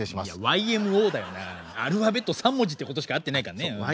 ＹＭＯだよなアルファベット３文字ってことしか合ってないかんねうん。